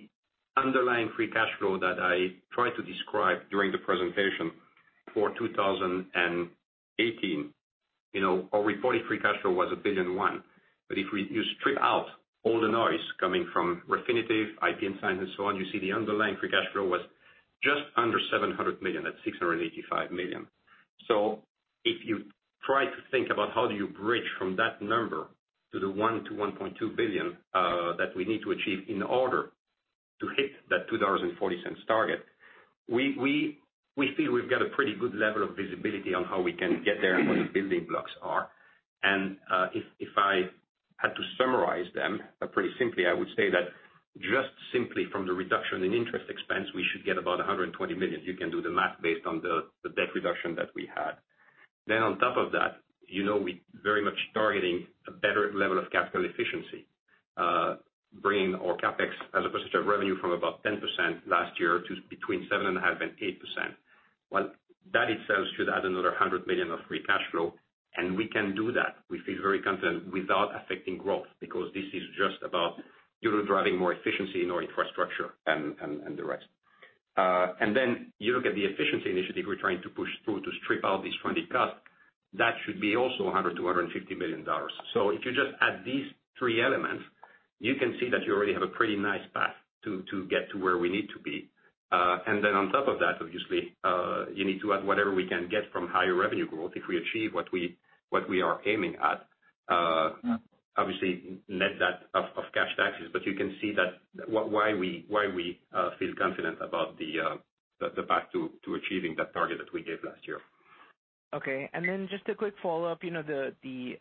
underlying free cash flow that I tried to describe during the presentation for 2018, our reported free cash flow was $1.01. But if you strip out all the noise coming from Refinitiv, IP & Science, and so on, you see the underlying free cash flow was just under $700 million, at $685 million. If you try to think about how do you bridge from that number to the $1-$1.2 billion that we need to achieve in order to hit that $2.40 target, we feel we've got a pretty good level of visibility on how we can get there and what the building blocks are. And if I had to summarize them pretty simply, I would say that just simply from the reduction in interest expense, we should get about $120 million. You can do the math based on the debt reduction that we had. Then on top of that, we're very much targeting a better level of capital efficiency, bringing our CapEx as opposed to revenue from about 10% last year to between 7.5% and 8%. Well, that itself should add another $100 million of free cash flow, and we can do that. We feel very confident without affecting growth because this is just about driving more efficiency in our infrastructure and the rest, and then you look at the efficiency initiative we're trying to push through to strip out these funding costs. That should be also $100-$150 million, so if you just add these three elements, you can see that you already have a pretty nice path to get to where we need to be, and then on top of that, obviously, you need to add whatever we can get from higher revenue growth if we achieve what we are aiming at, obviously net that of cash taxes, but you can see why we feel confident about the path to achieving that target that we gave last year.
Okay, and then just a quick follow-up. The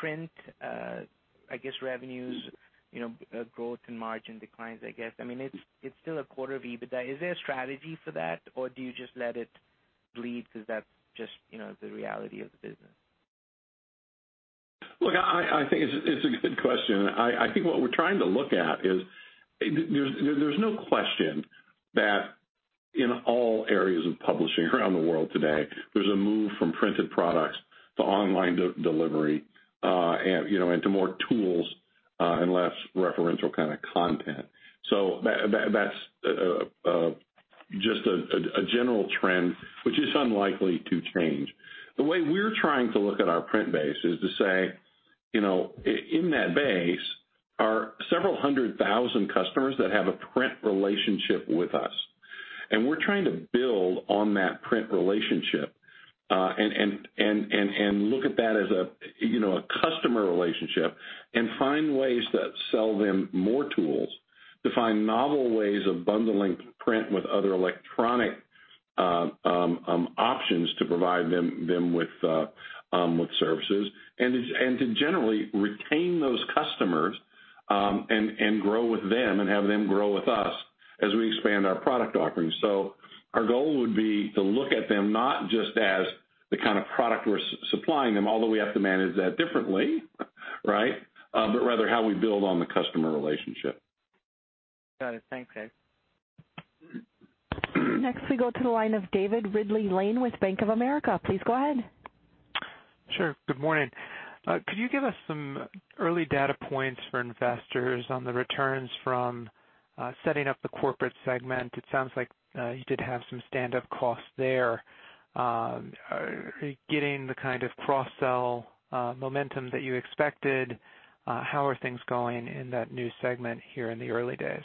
print, I guess, revenues growth and margin declines, I guess. I mean, it's still a quarter of EBITDA. Is there a strategy for that, or do you just let it bleed because that's just the reality of the business?
Look, I think it's a good question. I think what we're trying to look at is there's no question that in all areas of publishing around the world today, there's a move from printed products to online delivery and to more tools and less referential kind of content. So that's just a general trend, which is unlikely to change. The way we're trying to look at our print base is to say, in that base, are several hundred thousand customers that have a print relationship with us. And we're trying to build on that print relationship and look at that as a customer relationship and find ways to sell them more tools, to find novel ways of bundling print with other electronic options to provide them with services, and to generally retain those customers and grow with them and have them grow with us as we expand our product offerings. So our goal would be to look at them not just as the kind of product we're supplying them, although we have to manage that differently, right, but rather how we build on the customer relationship. Got it. Thanks, guys.
Next, we go to the line of David Ridley-Lane with Bank of America. Please go ahead.
Sure. Good morning. Could you give us some early data points for investors on the returns from setting up the corporate segment? It sounds like you did have some stand-up costs there. Are you getting the kind of cross-sell momentum that you expected? How are things going in that new segment here in the early days?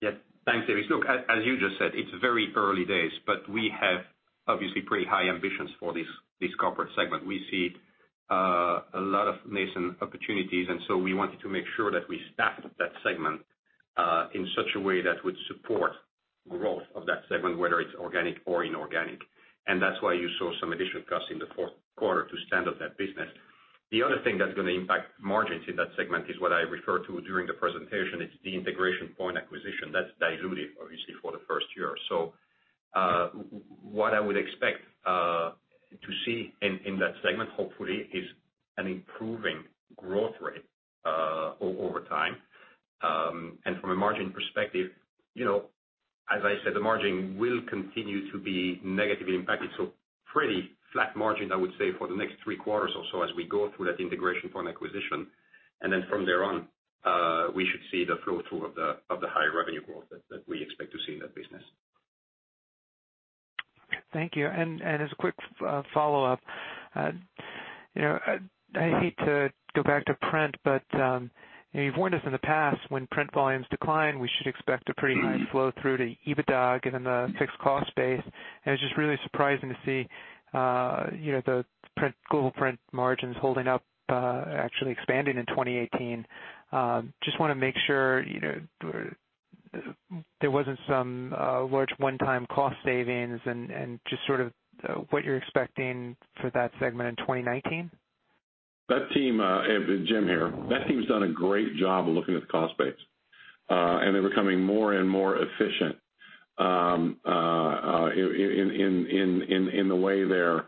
Yes. Thanks, David. Look, as you just said, it's very early days, but we have obviously pretty high ambitions for this corporate segment. We see a lot of nascent opportunities, and so we wanted to make sure that we staffed that segment in such a way that would support growth of that segment, whether it's organic or inorganic. And that's why you saw some additional costs in the fourth quarter to stand up that business. The other thing that's going to impact margins in that segment is what I referred to during the presentation. It's the Integration Point acquisition that's diluted, obviously, for the first year. So what I would expect to see in that segment, hopefully, is an improving growth rate over time. And from a margin perspective, as I said, the margin will continue to be negatively impacted. So pretty flat margin, I would say, for the next three quarters or so as we go through that Integration Point acquisition. And then from there on, we should see the flow-through of the higher revenue growth that we expect to see in that business.
Thank you. And as a quick follow-up, I hate to go back to print, but you've warned us in the past when print volumes decline, we should expect a pretty high flow-through to EBITDA given the fixed cost base. And it's just really surprising to see the Global Print margins holding up, actually expanding in 2018.
Just want to make sure there wasn't some large one-time cost savings and just sort of what you're expecting for that segment in 2019?
That team, Jim here, that team's done a great job of looking at the cost base. And they're becoming more and more efficient in the way they're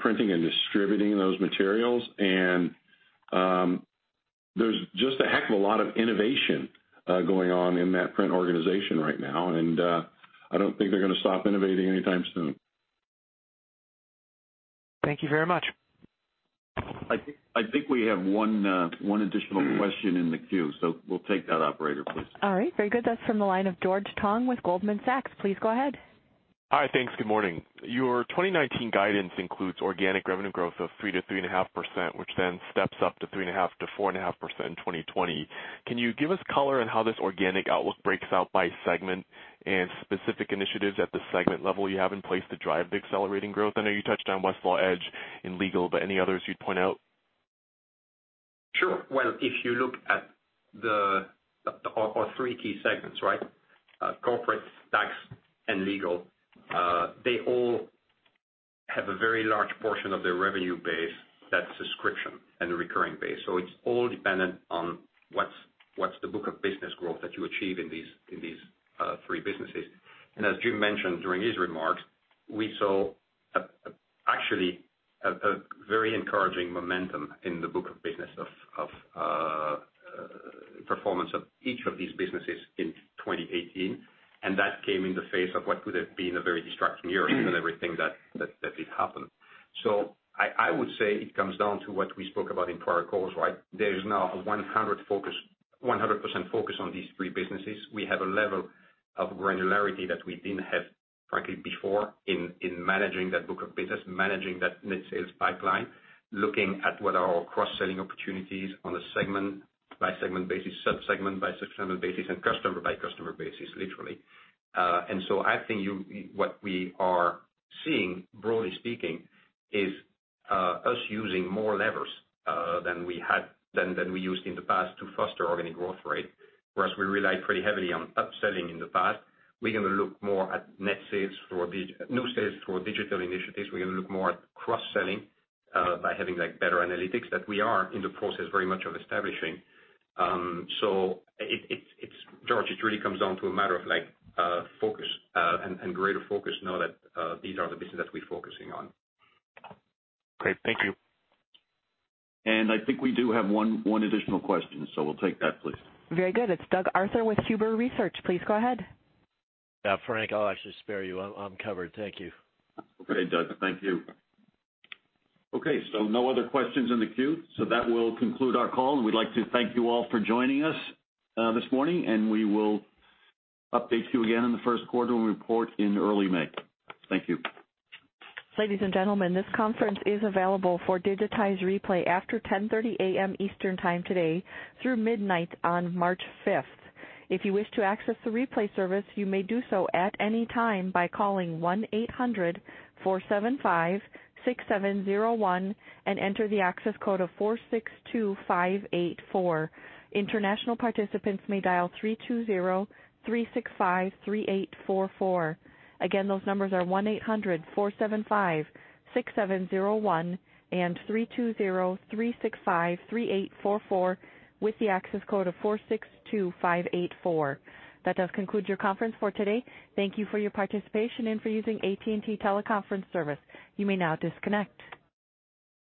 printing and distributing those materials. And there's just a heck of a lot of innovation going on in that print organization right now, and I don't think they're going to stop innovating anytime soon. Thank you very much. I think we have one additional question in the queue, so we'll take that operator, please.
All right. Very good. That's from the line of George Tong with Goldman Sachs. Please go ahead.
Hi. Thanks. Good morning. Your 2019 guidance includes organic revenue growth of 3%-3.5%, which then steps up to 3.5%-4.5% in 2020. Can you give us color on how this organic outlook breaks out by segment and specific initiatives at the segment level you have in place to drive the accelerating growth? I know you touched on Westlaw Edge in legal, but any others you'd point out?
Sure. Well, if you look at our three key segments, right, corporate, tax, and legal, they all have a very large portion of their revenue base that's subscription and recurring base. So it's all dependent on what's the book of business growth that you achieve in these three businesses. And as Jim mentioned during his remarks, we saw actually a very encouraging momentum in the book of business of performance of each of these businesses in 2018. And that came in the face of what could have been a very destructive year given everything that did happen. So I would say it comes down to what we spoke about in prior calls, right? There's now a 100% focus on these three businesses. We have a level of granularity that we didn't have, frankly, before in managing that book of business, managing that net sales pipeline, looking at what are our cross-selling opportunities on a segment-by-segment basis, sub-segment-by-sub-segment basis, and customer-by-customer basis, literally. And so I think what we are seeing, broadly speaking, is us using more levers than we used in the past to foster organic growth rate. Whereas we relied pretty heavily on upselling in the past, we're going to look more at net sales through new sales through digital initiatives. We're going to look more at cross-selling by having better analytics that we are in the process very much of establishing. So George, it really comes down to a matter of focus and greater focus now that these are the businesses that we're focusing on. Great. Thank you.
And I think we do have one additional question, so we'll take that, please.
Very good. It's Doug Arthur with Huber Research. Please go ahead.
Yeah. Frank, I'll actually spare you. I'm covered. Thank you. Okay, Doug. Thank you. Okay. So no other questions in the queue. So that will conclude our call. And we'd like to thank you all for joining us this morning, and we will update you again in the first quarter when we report in early May. Thank you.
Ladies and gentlemen, this conference is available for digitized replay after 10:30 A.M. Eastern Time today through midnight on March 5th. If you wish to access the replay service, you may do so at any time by calling 1-800-475-6701 and enter the access code of 462584. International participants may dial 320-365-3844. Again, those numbers are 1-800-475-6701 and 320-365-3844 with the access code of 462584. That does conclude your conference for today. Thank you for your participation and for using AT&T Teleconference Service. You may now disconnect.